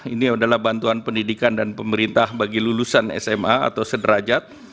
ini adalah bantuan pendidikan dan pemerintah bagi lulusan sma atau sederajat